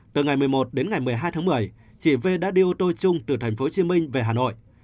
từ ngày một mươi một một mươi hai một mươi chị v đã đi ô tô chung từ tp hcm về hà nội